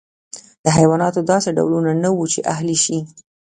د حیواناتو داسې ډولونه نه وو چې اهلي شي.